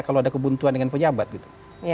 kalau ada kebuntuan dengan pejabat gitu